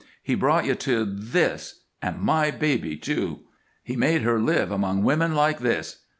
He brought you to this; and my baby, too. He made her live among women like these.